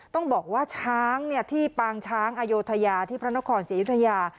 ต้องบอกว่าช้างที่ปางช้างอโยธยาที่พระนครศรีอยุธยา